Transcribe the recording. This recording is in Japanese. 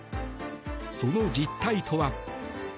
その実態とは。